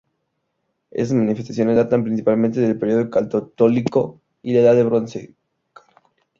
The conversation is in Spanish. Estas manifestaciones datan principalmente del periodo calcolítico y la edad del bronce.